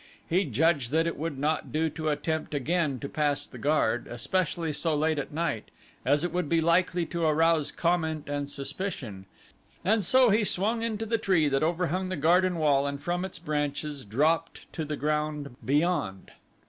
He judged that it would not do to attempt again to pass the guard, especially so late at night as it would be likely to arouse comment and suspicion, and so he swung into the tree that overhung the garden wall and from its branches dropped to the ground beyond.